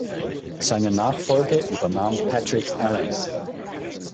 Seine Nachfolge übernahm Patrick Allen.